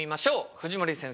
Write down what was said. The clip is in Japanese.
藤森先生